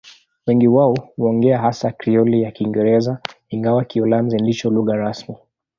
Wengi wao huongea hasa Krioli ya Kiingereza, ingawa Kiholanzi ndicho lugha rasmi.